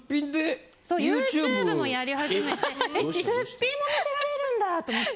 ＹｏｕＴｕｂｅもやり始めてすっぴんも見せられるんだと思って。